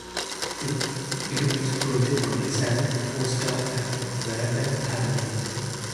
It was produced by Stan Foster and Reuben Cannon.